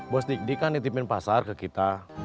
bos dik dik kan nitipin pasar ke kita